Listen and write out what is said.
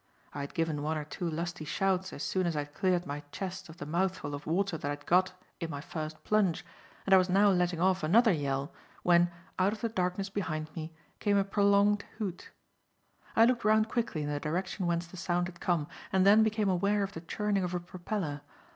I had given one or two lusty shouts as soon as I had cleared my chest of the mouthful of water that I got in my first plunge, and I was now letting off another yell, when, out of the darkness behind me, came a prolonged hoot. I looked round quickly in the direction whence the sound had come, and then became aware of the churning of a propeller.